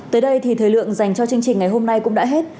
tới đây thì thời lượng dành cho chương trình ngày hôm nay cũng đã hết